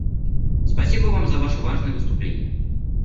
Спасибо Вам за Ваше важное выступление.